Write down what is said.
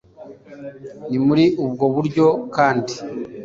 Ni muri ubwo buryo kandi